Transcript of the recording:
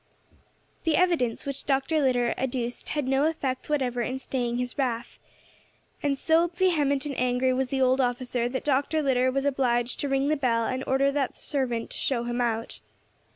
The evidence which Dr. Litter adduced had no effect whatever in staying his wrath, and so vehement and angry was the old officer, that Dr. Litter was obliged to ring the bell and order the servant to show him out.